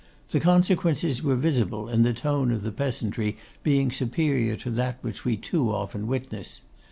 The consequences were visible in the tone of the peasantry being superior to that which we too often witness.